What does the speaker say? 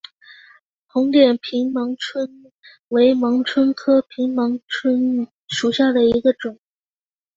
红点平盲蝽为盲蝽科平盲蝽属下的一个种。